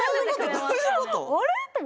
どういうこと？